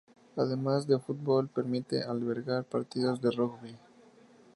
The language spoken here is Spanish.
Además de fútbol, permite albergar partidos de rugby.